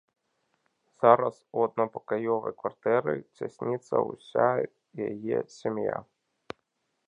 Зараз у аднапакаёвай кватэры цясніцца ўся яе сям'я.